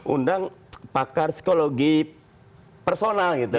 undang pakar psikologi personal gitu